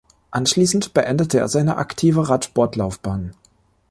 Anschließend beendete er seine aktive Radsportlaufbahn.